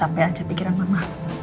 sampai aja pikiran mama